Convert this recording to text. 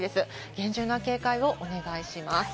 厳重な警戒をお願いします。